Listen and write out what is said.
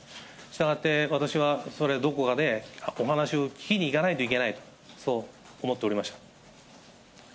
したがって私は、それ、どこかでお話を聞きに行かないといけないと、そう思っておりました。